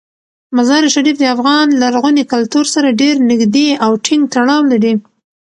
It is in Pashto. مزارشریف د افغان لرغوني کلتور سره ډیر نږدې او ټینګ تړاو لري.